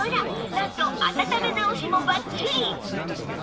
なんと温め直しもバッチリ！